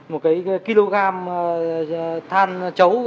một cái kg than chấu